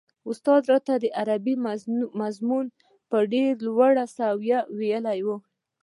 استاد راته عربي مضمون په ډېره لوړه سويه ويلی و.